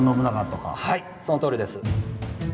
はいそのとおりです。